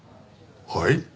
はい？